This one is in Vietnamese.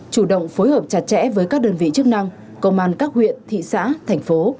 chủ động phối hợp chặt chẽ với các đơn vị chức năng công an các huyện thị xã thành phố